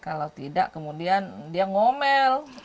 kalau tidak kemudian dia ngomel